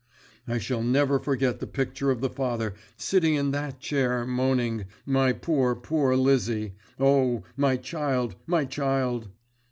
I shall never forget the picture of the father sitting in that chair, moaning, 'My poor, poor Lizzie! O, my child, my child!'